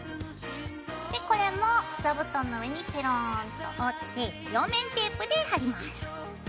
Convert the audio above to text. でこれも座布団の上にペローンと折って両面テープで貼ります。